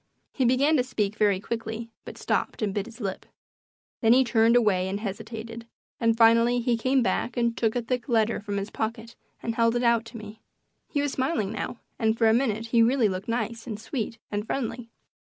He began to speak very quickly, but stopped and bit his lip. Then he turned away and hesitated, and finally he came back and took a thick letter from his pocket and held it out to me. He was smiling now, and for a minute he really looked nice and sweet and friendly.